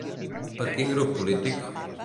Per quin grup polític?